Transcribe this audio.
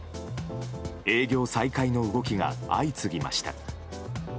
営業再開の動きが相次ぎました。